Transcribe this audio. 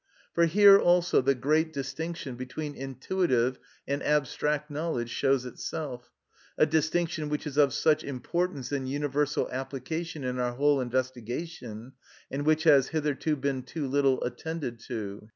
For here also the great distinction between intuitive and abstract knowledge shows itself; a distinction which is of such importance and universal application in our whole investigation, and which has hitherto been too little attended to.